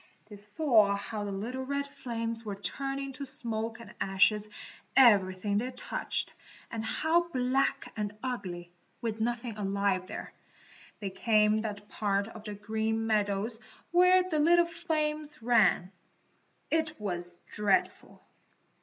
They saw how the little red flames were turning to smoke and ashes everything they touched, and how black and ugly, with nothing alive there, became that part of the Green Meadows where the little flames ran. It was dreadful!